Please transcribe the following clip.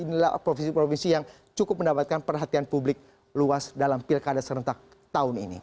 inilah provinsi provinsi yang cukup mendapatkan perhatian publik luas dalam pilkada serentak tahun ini